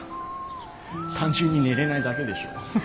単純に寝れないだけでしょ。